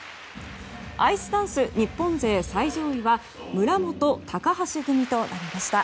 アイスダンス日本勢最上位は村元・高橋組となりました。